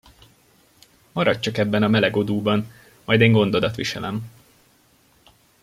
Maradj csak ebben a meleg odúban, majd én gondodat viselem.